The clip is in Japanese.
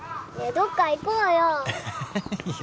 どっか行こうよいいよ